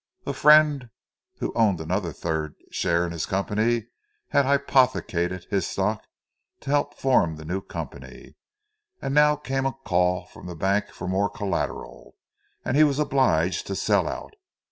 A friend who owned another third share in his company had hypothecated his stock to help form the new company; and now came a call from the bank for more collateral, and he was obliged to sell out.